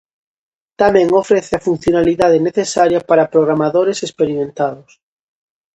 Tamén ofrece a funcionalidade necesaria para programadores experimentados.